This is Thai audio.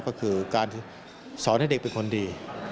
ก็คือการสอนให้เด็กเป็นคนดี